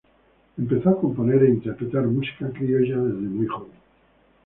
Empezó a componer e interpretar música criolla desde muy joven.